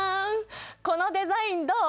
このデザインどう？